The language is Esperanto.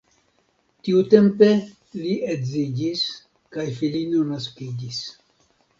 Tiutempe li edziĝis kaj filino naskiĝis.